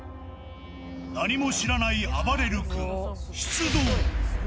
何も知らないあばれる君、出動。